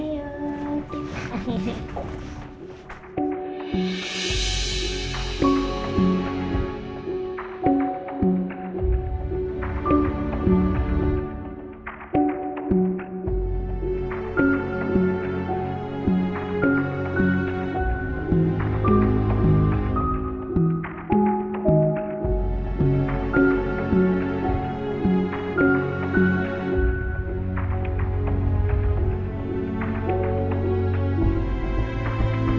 nanti aku mau juga liatin ya